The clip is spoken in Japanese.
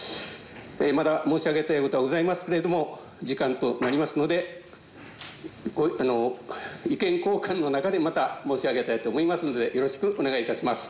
まだ申し上げたいことはございますけれども時間となりますので意見交換の中でまた申し上げたいと思いますのでよろしくお願いいたします。